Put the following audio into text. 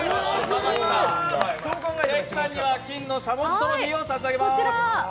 関さんには金のしゃもじトロフィーを差し上げます。